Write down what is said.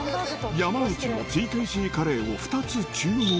山内のＴＫＧカレーを２つ注文。